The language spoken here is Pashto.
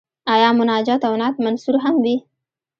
آیا مناجات او نعت منثور هم وي؟